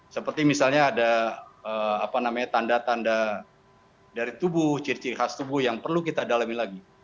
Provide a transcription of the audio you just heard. seperti misalnya ada tanda tanda dari tubuh ciri ciri khas tubuh yang perlu kita dalami lagi